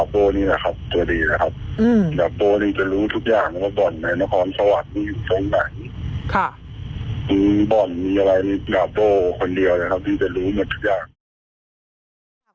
บ่อนมีอะไรดาบโบ้คนเดียวนะครับที่จะรู้หมดทุกอย่าง